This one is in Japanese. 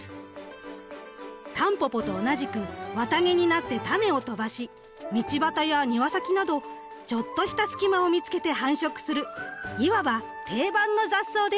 タンポポと同じく綿毛になって種を飛ばし道端や庭先などちょっとした隙間を見つけて繁殖するいわば定番の雑草です。